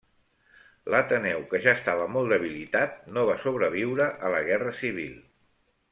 L'Ateneu, que ja estava molt debilitats no va sobreviure a la Guerra Civil.